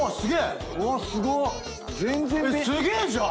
すげえじゃん！